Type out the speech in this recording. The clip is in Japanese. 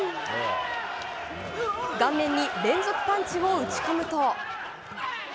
顔面に連続パンチを打ち込むと。